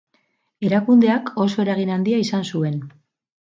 Erakundeak oso eragin handia izan zuen.